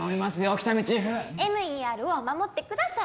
喜多見チーフＭＥＲを守ってください